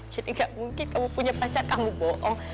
jadi gak mungkin kamu punya pacar kamu bohong